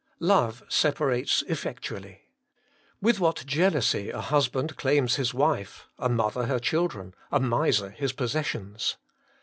1. Love separates effectually. With what jealousy a husband claims his wife, a mother her children, a miser his possessions